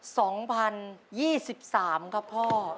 ต่อศ๒๐๒๓ครับพ่อ